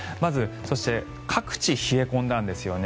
そして各地冷え込んだんですよね。